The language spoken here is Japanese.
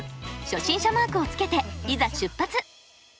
初心者マークをつけていざ出発！